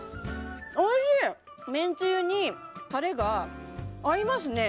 めんつゆにたれが合いますね